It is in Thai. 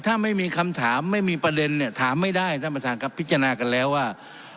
ถ้าไม่มีคำถามไม่มีประเด็นเนี่ยถามไม่ได้ท่านประธานครับพิจารณากันแล้วว่า